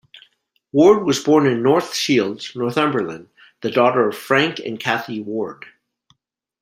Ward was born in North Shields, Northumberland, the daughter of Frank and Cathy Ward.